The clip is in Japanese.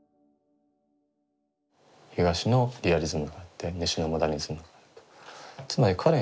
東のリアリズムがあって西のモダニズムがあると。